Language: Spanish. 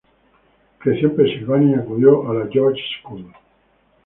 Creció en Pensilvania y acudió a la George School.